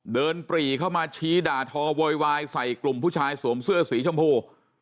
ปรีเข้ามาชี้ด่าทอโวยวายใส่กลุ่มผู้ชายสวมเสื้อสีชมพู